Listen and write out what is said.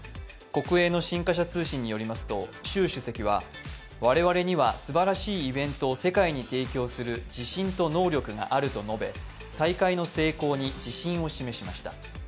国営の新華社通信によると習主席は我々にはすばらしいイベントを世界に提供する自信と能力があると述べ大会の成功に自信を示しました。